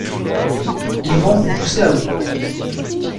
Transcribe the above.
Ils vont vous pousser à bout.